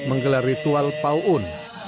memiliki ritual yang berbeda